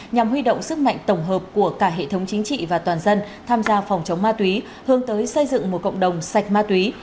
nhằm huy động sức mạnh tổng hợp của cả hệ thống chính trị và toàn dân tham gia phòng chống ma túy hướng tới xây dựng một cộng đồng sạch ma túy